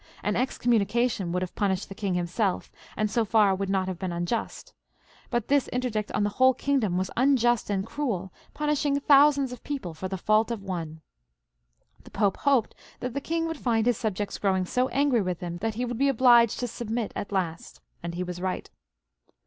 An excommunication would have punished the king himself, and so far would not have been unjust. But this interdict on the whole XVII.] PHILIP IL {AUGUSTE\ 103 king^tem was imjust and cruel^ punishing thousands of people for the fault of one* The Pope hoped that the king would find his subjects growing so angry with him 1$at he would be obliged to submit at last, and he was right.